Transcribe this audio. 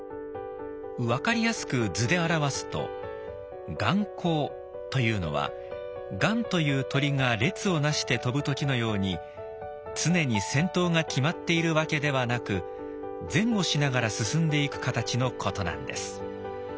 分かりやすく図で表すと「雁行」というのは雁という鳥が列をなして飛ぶ時のように常に先頭が決まっているわけではなく前後しながら進んでいく形のことなんです。